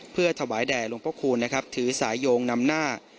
เพื่อถวายแด่ลงพระคูณถือสายโยงนำหน้า